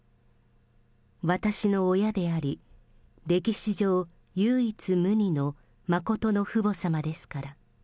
私の親であり、歴史上、唯一無二の真の父母様ですから。